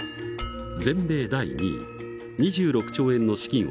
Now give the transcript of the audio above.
全米第２位２６兆円の資金を運用する